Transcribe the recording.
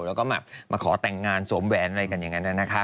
แล้วก็แบบมาขอแต่งงานสวมแหวนอะไรกันอย่างนั้นนะคะ